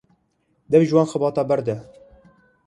Dev ji van xebatan berde.